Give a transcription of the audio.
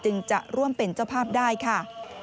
จะร่วมเป็นเจ้าภาพได้ค่ะ